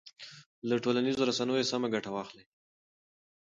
له ټولنیزو رسنیو سمه ګټه واخلئ.